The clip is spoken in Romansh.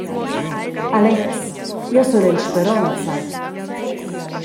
Alex, jeu sun en speronza.